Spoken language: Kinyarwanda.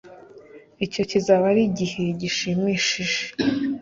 icyo kizaba ari igihe gishimishije